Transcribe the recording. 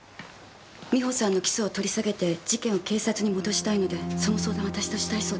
美穂さんの起訴を取り下げて事件を警察に戻したいのでその相談を私としたいそうです。